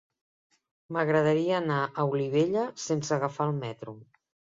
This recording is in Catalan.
M'agradaria anar a Olivella sense agafar el metro.